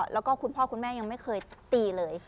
แล้วก็คุณพ่อคุณแม่ยังไม่เคยตีเลย